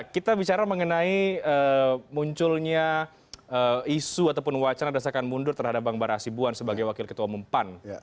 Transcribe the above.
kita bicara mengenai munculnya isu ataupun wacana desakan mundur terhadap bang bara asibuan sebagai wakil ketua umum pan